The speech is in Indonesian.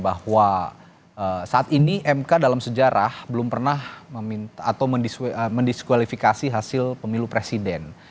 bahwa saat ini mk dalam sejarah belum pernah atau mendiskualifikasi hasil pemilu presiden